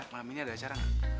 malem ini ada acara gak